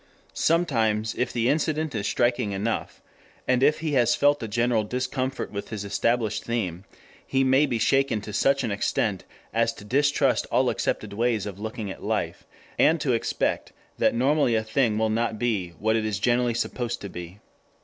Sometimes, if the incident is striking enough, and if he has felt a general discomfort with his established scheme, he may be shaken to such an extent as to distrust all accepted ways of looking at life, and to expect that normally a thing will not be what it is generally supposed to be.